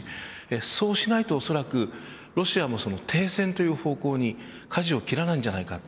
そうしないとロシアもおそらく停戦という方向にかじを切らないんじゃないか